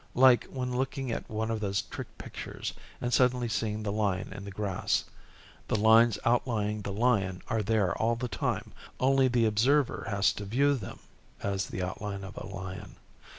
Like when looking at one of those trick pictures and suddenly seeing the lion in the grass. The lines outlining the lion are there all the time, only the observer has to view them as the outline of a lion.